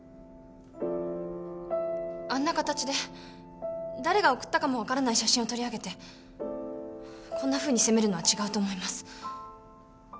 あんな形で誰が送ったかも分からない写真を取り上げてこんなふうに責めるのは違うと思います。